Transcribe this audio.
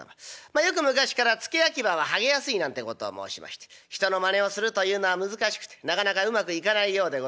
まあよく昔から付け焼き刃は剥げやすいなんてことを申しまして人のまねをするというのは難しくてなかなかうまくいかないようでございまして。